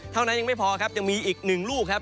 ยังไม่พอครับยังมีอีกหนึ่งลูกครับ